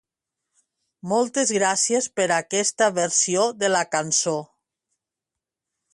Moltes gràcies per aquesta versió de la cançó.